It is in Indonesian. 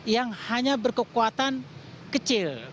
yang hanya berkekuatan kecil